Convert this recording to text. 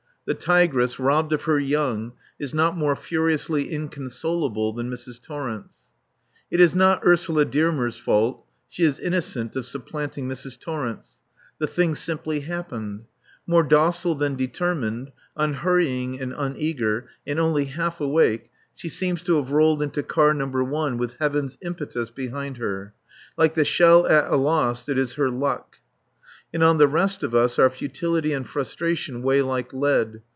The tigress, robbed of her young, is not more furiously inconsolable than Mrs. Torrence. It is not Ursula Dearmer's fault. She is innocent of supplanting Mrs. Torrence. The thing simply happened. More docile than determined, unhurrying and uneager, and only half awake, she seems to have rolled into Car No. 1 with Heaven's impetus behind her. Like the shell at Alost, it is her luck. And on the rest of us our futility and frustration weigh like lead.